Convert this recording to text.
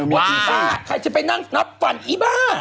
ว่าที่ฟันใครจะไปนั่งนับฟันอีบ้า